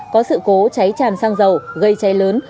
có sự cố cháy tràn sang dầu gây cháy lớn